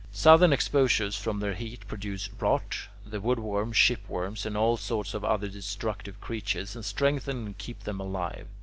Southern exposures from their heat produce rot, the wood worm, shipworms, and all sorts of other destructive creatures, and strengthen and keep them alive.